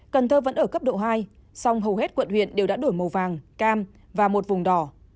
cần thơ vẫn ở cấp độ hai song hầu hết quận huyện đều đã đổi màu vàng cam và một vùng đỏ